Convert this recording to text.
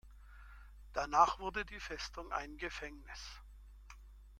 Danach wurde die Festung ein Gefängnis.